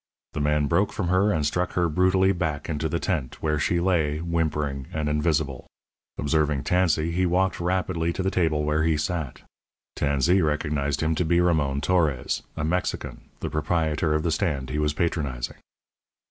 The man broke from her and struck her brutally back into the tent, where she lay, whimpering and invisible. Observing Tansey, he walked rapidly to the table where he sat. Tansey recognized him to be Ramon Torres, a Mexican, the proprietor of the stand he was patronizing.